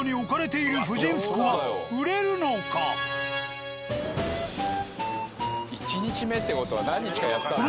果たして１日目って事は何日かやったんだ。